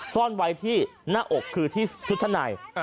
ซ่อนไว้ที่หน้าอกคือที่ชุดชั้นใน